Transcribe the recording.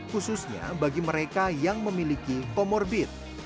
khususnya bagi mereka yang memiliki comorbid